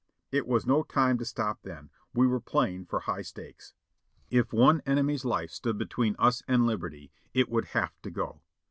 It was no time to stop then^ we were playing for high stakes. If one enemy's life stood be tween us and liberty, it would have to go.